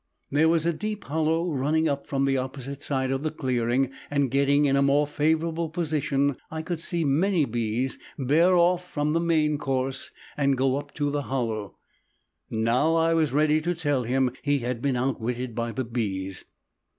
There was a deep hollow running up from the opposite side of the clearing and getting in a more favorable position I could see many bees bear off from the main course and go up to the hollow. Now I was ready to tell him he had been outwitted by the bees.